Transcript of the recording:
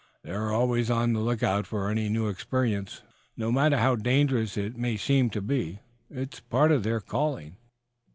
They are always on the lookout for any new experience, no matter how dangerous it may seem to be. It is a part of their calling.